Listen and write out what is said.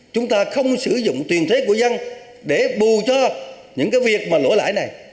chúng ta không sử dụng tuyền thế của dân để bù cho những cái việc mà lỗi lãi này